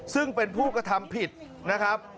ซึ่งเป็นผู้กระทำผิดนะครับ